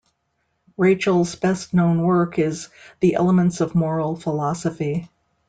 Rachels' best-known work is "The Elements of Moral Philosophy".